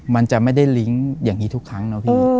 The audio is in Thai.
มันจะไม่ได้ลิงก์อย่างนี้ทุกครั้งนะพี่